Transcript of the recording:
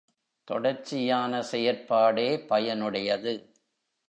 தொடர்ச்சியான செயற்பாடே பயனுடையது.